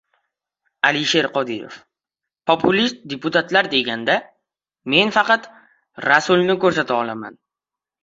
Alisher Qodirov: "Populist deputatlar deganda, men faqat Rasulni ko‘rsata olaman"